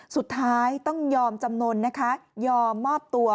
สุดท้ายต้องยอมจำนวนนะคะยอมมอบตัว